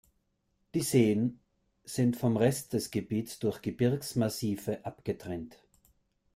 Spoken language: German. Die Seen sind vom Rest des Gebiets durch Gebirgsmassive abgetrennt.